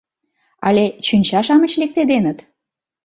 Але чӱнча-шамыч лектеденыт»?